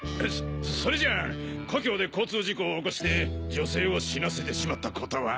それじゃあ故郷で交通事故を起こして女性を死なせてしまったことは？